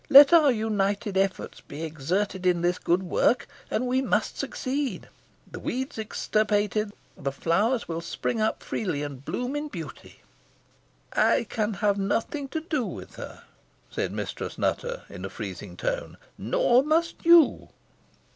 Let our united efforts be exerted in this good work, and we must succeed. The weeds extirpated, the flowers will spring up freely, and bloom in beauty." "I can have nothing to do with her," said Mistress Nutter, in a freezing tone "nor must you."